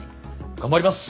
頑張ります！